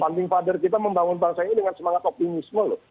funding father kita membangun bangsa ini dengan semangat optimisme loh